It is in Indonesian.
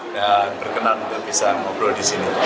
dan berkenan untuk bisa ngobrol di sini